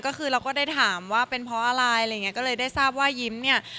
ก็คือเราก็ได้ถามว่าเป็นเพราะอะไรอะไรอย่างเงี้ก็เลยได้ทราบว่ายิ้มเนี่ย